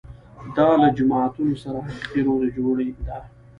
دا له جماعتونو سره حقیقي روغې جوړې ده.